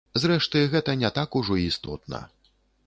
Зрэшты, гэта не так ужо істотна.